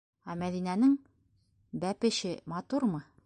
Ә Мәҙинәнең бәпеше матурмы?